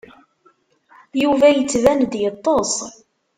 Yuba yettban-d yeṭṭes.